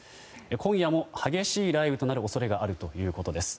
今夜も激しい雷雨となる恐れがあるということです。